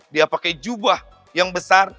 dia pakai jubah yang besar